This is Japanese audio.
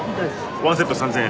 ワンセット３０００円。